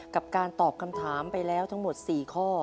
กับการตอบคำถามไปแล้วทั้งหมด๔ข้อ